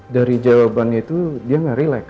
dari jawabannya itu dia nggak relax